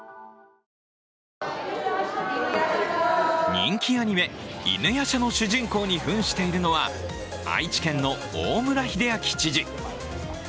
人気アニメ「犬夜叉」の主人公にふんしているのは愛知県の大村秀章知事。